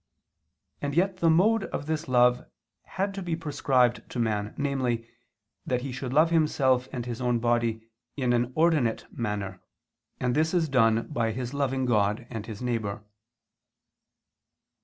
And yet the mode of this love had to be prescribed to man, namely, that he should love himself and his own body in an ordinate manner, and this is done by his loving God and his neighbor.